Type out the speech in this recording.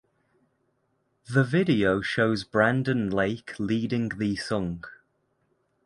The video shows Brandon Lake leading the song.